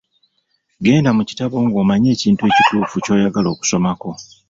Genda mu kitabo ng'omanyi ekintu ekituufu ky'oyagala okusomako.